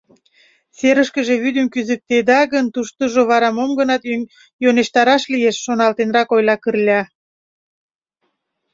— Серышкыже вӱдым кӱзыктеда гын, туштыжо вара мом-гынат йӧнештараш лиеш, — шоналтенрак ойла Кырля.